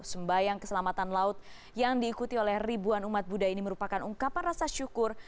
sembayang keselamatan laut yang diikuti oleh ribuan umat buddha ini merupakan ungkapan rasa syukur